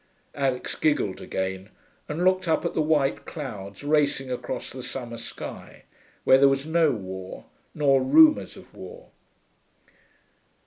Alix giggled again, and looked up at the white clouds racing across the summer sky, where was no war nor rumours of war.